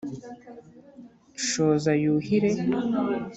shoza yuhire,